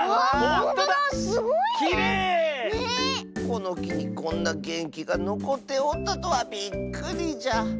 このきにこんなげんきがのこっておったとはびっくりじゃ。